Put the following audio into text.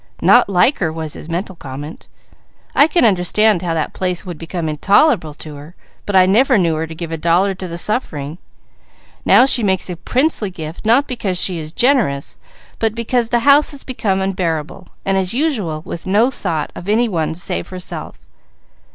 "Not like her!" was his mental comment. "I can understand how that place would become intolerable to her; but I never knew her to give a dollar to the suffering. Now she makes a princely gift, not because she is generous, but because the house has become unbearable; and as usual, with no thought of any one save herself.